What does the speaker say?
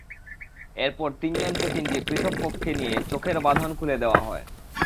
এরপর তিনজনকে তিনটি পৃথক কক্ষে নিয়ে চোখের বাঁধন খুলে দেওয়া হয়।